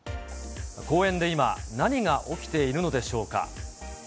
公園で今、何が起きているのでしょうか。